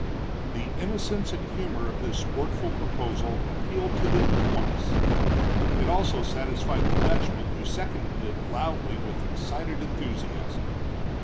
The innocence and humor of this sportful proposal appealed to them at once. It also satisfied the Dutchman, who seconded it loudly, with excited enthusiasm.